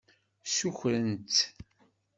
Ssukren-tt.